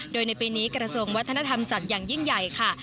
โดยในปีนี้กระทรวงวัฒนธรรมจัดอย่างยิ่งใหญ่ค่ะ